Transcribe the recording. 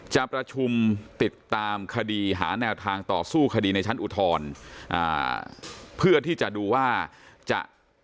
จะประชุมติดตามคดีหาแนวทางต่อสู้คดีในชั้นอุทธรณ์อ่าเพื่อที่จะดูว่าจะ